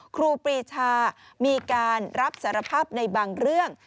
ครูปรีชามีการรับสารภาพในบางเรื่อง